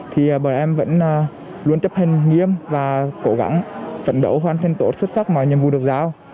thì bọn em vẫn luôn chấp hành nghiêm và cố gắng phấn đấu hoàn thành tốt xuất sắc mọi nhiệm vụ được giao